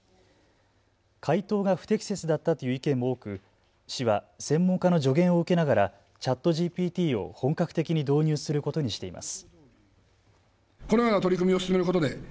回答が不適切だったという意見も多く、市は専門家の助言を受けながらＣｈａｔＧＰＴを本格的に導入することにしています。